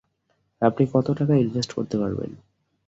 আপনি কত টাকা ইনভেস্ট করতে পারবেন?